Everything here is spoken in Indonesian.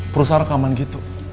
perusahaan rekaman gitu